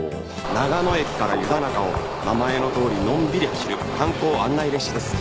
長野駅から湯田中を名前のとおりのんびり走る観光案内列車です。